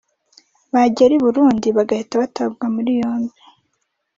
bagera i Burundi bagahita batabwa muri yombi